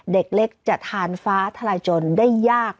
เด็กเล็กจะทานฟ้าทลายจนได้ยาก